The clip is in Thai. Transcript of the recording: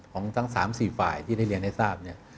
ของทั้ง๓๔ฝ่ายที่ได้เรียนให้ทราบ